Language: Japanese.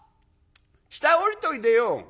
下へ下りといでよ。